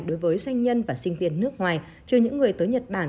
đối với doanh nhân và sinh viên nước ngoài trừ những người tới nhật bản